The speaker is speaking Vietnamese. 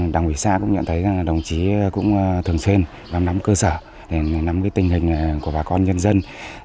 đảng ủy xã cũng nhận thấy đồng chí cũng thường xuyên bám nắm cơ sở để nắm tình hình của bà con nhân dân